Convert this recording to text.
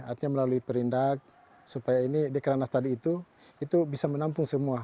artinya melalui perindak supaya ini dekranas tadi itu itu bisa menampung semua